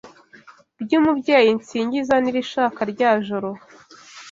By’Umubyeyi nsingiza Nirishaka rya joro